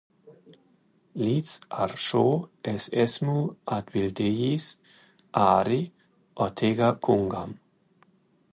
Līdz ar šo es esmu atbildējis arī Ortega kungam.